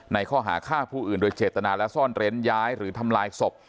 ข้อหาฆ่าผู้อื่นโดยเจตนาและซ่อนเร้นย้ายหรือทำลายศพ